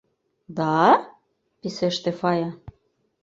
— Да? — писеште Фая.